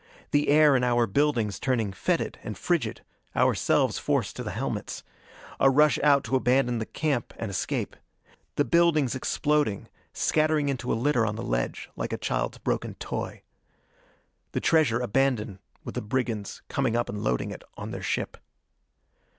The air in our buildings turning fetid and frigid: ourselves forced to the helmets. A rush out to abandon the camp and escape. The buildings exploding scattering into a litter on the ledge like a child's broken toy. The treasure abandoned, with the brigands coming up and loading it on their ship.